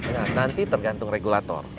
nah nanti tergantung regulator